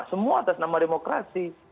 semua atas nama demokrasi